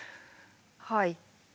はい。